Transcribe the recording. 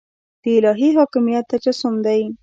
د الهي حاکمیت تجسم دی.